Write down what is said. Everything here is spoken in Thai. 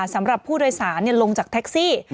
สำหรับผู้โดยสารลงจากแท็กซี่